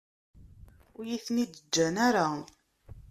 Ur iyi-ten-id-ǧǧan ara.